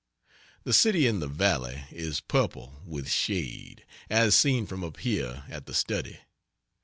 The city in the valley is purple with shade, as seen from up here at the study.